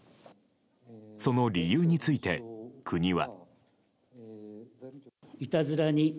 その理由について、国は。